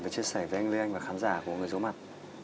và chia sẻ với anh lê anh và khán giả của người có mặt